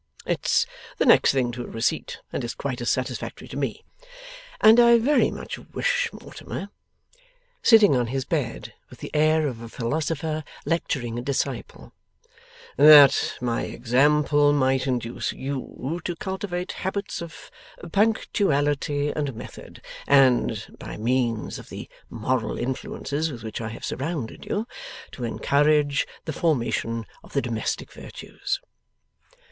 It's the next thing to a receipt and is quite as satisfactory to ME. And I very much wish, Mortimer,' sitting on his bed, with the air of a philosopher lecturing a disciple, 'that my example might induce YOU to cultivate habits of punctuality and method; and, by means of the moral influences with which I have surrounded you, to encourage the formation of the domestic virtues.